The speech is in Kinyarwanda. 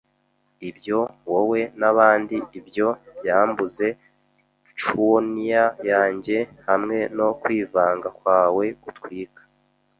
ibyo - wowe nabandi, ibyo byambuze schooner yanjye, hamwe no kwivanga kwawe, gutwika